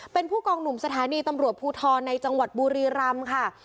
เป็นผู้กองหนุ่มสถานีตำรวจภูทรในจังหวัดบุรีรำค่ะ